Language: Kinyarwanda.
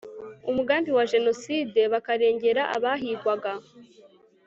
umugambi wa jenoside bakarengera abahigwaga